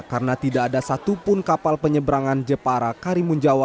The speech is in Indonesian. karena tidak ada satupun kapal penyeberangan jepara karimunjawa